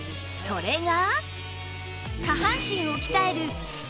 それが